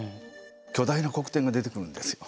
巨大な黒点が出てくるんですよ。